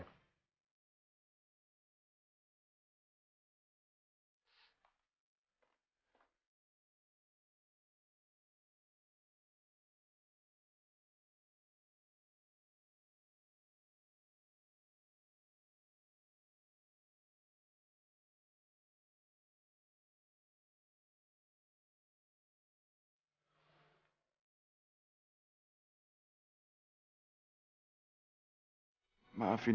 oh dianggap parapahan